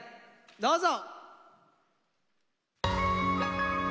どうぞ。